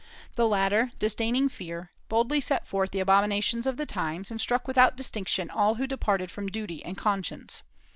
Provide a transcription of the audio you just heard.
The latter, disdaining fear, boldly set forth the abominations of the times, and struck without distinction all who departed from duty and conscience.